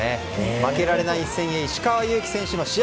負けられない一戦へ石川祐希選手の試合